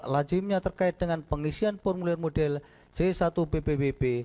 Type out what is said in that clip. lajimnya terkait dengan pengisian formulir model c satu ppwp